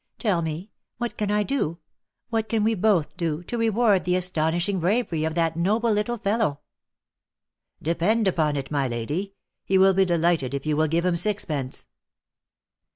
Tell me, what can I do — what can we both do, to reward the astonishing bravery of that noble little fellow V 11 Depend upon it, my lady, he will be delighted if you will give him sixpence."